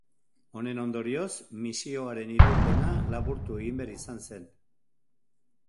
Honen ondorioz, misioaren iraupena laburtu egin behar izan zen.